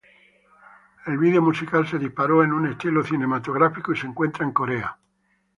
El video musical se disparó en un estilo cinematográfico y se encuentra en Corea.